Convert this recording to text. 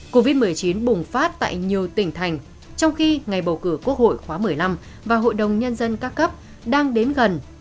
covid một mươi chín bùng phát tại nhiều tỉnh thành trong khi ngày bầu cử quốc hội khóa một mươi năm và hội đồng nhân dân các cấp đang đến gần